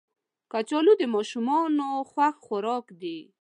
کچالو د ماشومانو خوښ خوراک دی